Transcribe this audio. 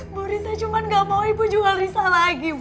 bu risa cuman gak mau ibu jual risa lagi